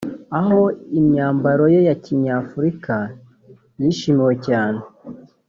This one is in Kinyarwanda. aho imyambaro ye ya kinyafurika yishimiwe cyane